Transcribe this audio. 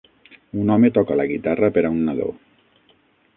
Un home toca la guitarra per a un nadó.